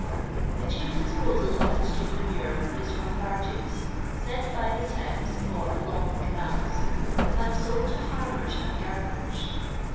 The chief disposal of the street manure is from barges, sent by the Thames or along the canals, and sold to fiuiners and gardeners.